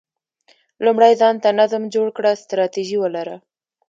لومړی ځان ته نظم جوړ کړه، ستراتیژي ولره،